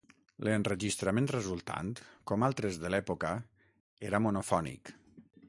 L'enregistrament resultant, com altres de l'època, era monofònic.